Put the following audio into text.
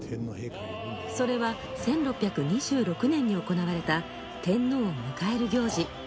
それは１６２６年に行われた天皇を迎える行事